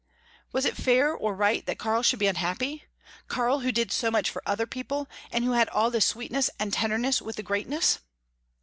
Was it fair or right that Karl should be unhappy Karl who did so much for other people, and who had all this sweetness and tenderness with the greatness?